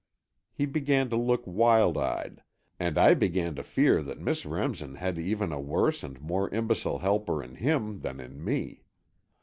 He began to look wild eyed, and I began to fear that Miss Remsen had even a worse and more imbecile helper in him than in me.